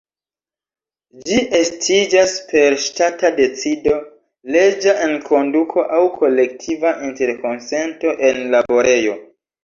Ĝi estiĝas per ŝtata decido, leĝa enkonduko aŭ kolektiva interkonsento en laborejo.